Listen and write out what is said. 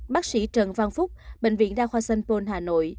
bác sĩ trần văn phúc bệnh viện đa khoa sân pôn hà nội